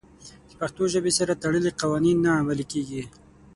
د پښتو ژبې سره تړلي قوانین نه عملي کېږي.